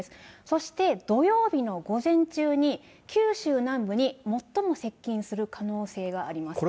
そして、土曜日の午前中に、九州南部に最も接近する可能性があります。